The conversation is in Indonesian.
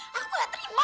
mas aku gak terima